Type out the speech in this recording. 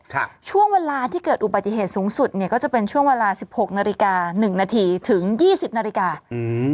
ครับช่วงเวลาที่เกิดอุบัติเหตุสูงสุดเนี้ยก็จะเป็นช่วงเวลาสิบหกนาฬิกาหนึ่งนาทีถึงยี่สิบนาฬิกาอืม